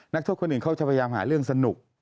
นักทวบคนเขาจะพยายามหาเรื่องสนุก